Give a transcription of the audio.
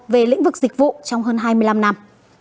về lĩnh vực dịch vụ trong hơn hai mươi năm năm